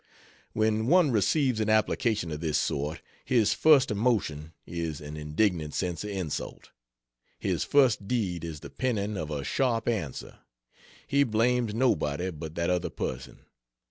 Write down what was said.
When one receives an application of this sort, his first emotion is an indignant sense of insult; his first deed is the penning of a sharp answer. He blames nobody but that other person.